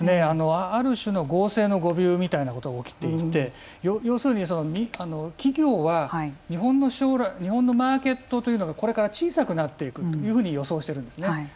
剛性の誤びゅうのようなことが起きていて要するに企業は日本のマーケットというのがこれから小さくなっていくというと予想しています。